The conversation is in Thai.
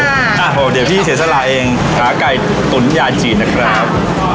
อ่ะเดี๋ยวพี่เสียสละเองขาไก่ตุ๋นยาฉีดนะครับ